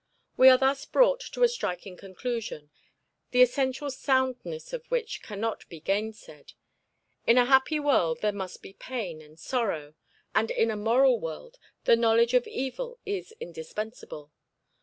We are thus brought to a striking conclusion, the essential soundness of which can not be gainsaid. In a happy world there must be pain and sorrow, and in a moral world the knowledge of evil is indispensable.